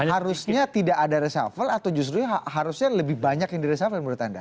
harusnya tidak ada risafal atau justru harusnya lebih banyak yang di risafal menurut anda